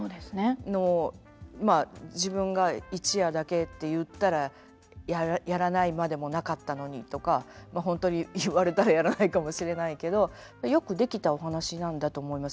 まあ自分が一夜だけって言ったらやらないまでもなかったのにとか本当に言われたらやらないかもしれないけどよく出来たお話なんだと思います